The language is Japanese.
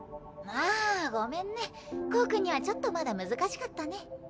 あごめんねコウ君にはちょっとまだ難しかったね。